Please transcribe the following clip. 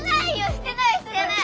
してないしてない！